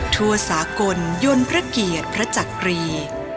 ทั่วสากลยนต์พระเกียรติพระจักรี